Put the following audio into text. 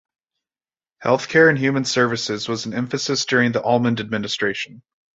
Health care and human services was an emphasis during the Almond administration.